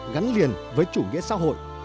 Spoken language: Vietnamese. gắn liền với chủ nghĩa xã hội